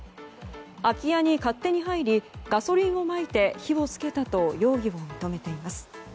空き家に勝手に入りガソリンをまいて火を付けたと容疑を認めています。